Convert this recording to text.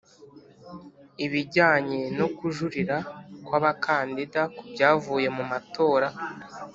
ibijyanye no kujurira kw abakandida ku byavuye mu matora